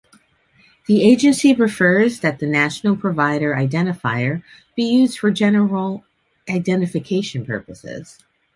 The agency prefers that the National Provider Identifier be used for general identification purposes.